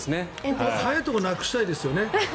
早いところなくしたいですよね。